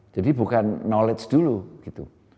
jadi bukan knowledge dulu gitu